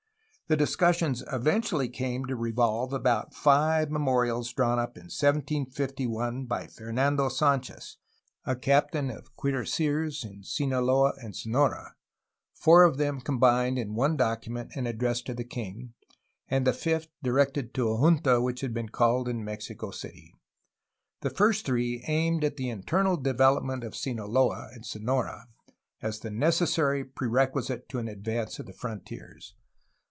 The discussions eventually came to revolve about five memorials drawn up in 1751 by Fernando Sanchez, a captain of cuirassiers in Sinaloa and Sonora, four of them combined in one document and addressed to the king, and the fifth directed to a junta which had been called in Mexico City. The first three aimed at the internal development of Sinaloa and Sonora as the necessary prerequisite to an advance of the frontiers.